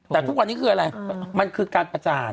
แต่ทุกวันนี้คืออะไรมันคือการประจาน